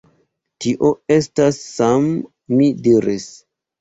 Tio estas Sam, mi diris.